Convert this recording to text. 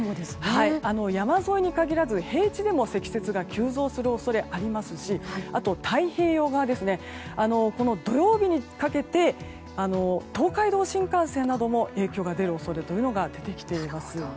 山沿いに限らず平地でも積雪が急増する恐れ、ありますしあと太平洋側、土曜日にかけて東海道新幹線なども影響が出る恐れが出てきています。